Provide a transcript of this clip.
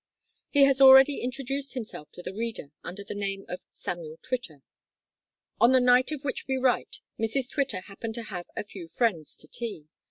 He has already introduced himself to the reader under the name of Samuel Twitter. On the night of which we write Mrs Twitter happened to have a "few friends" to tea.